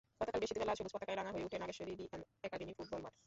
গতকাল বৃহস্পতিবার লাল-সবুজ পতাকায় রাঙা হয়ে ওঠে নাগেশ্বরী ডিএম একাডেমি ফুটবল মাঠ।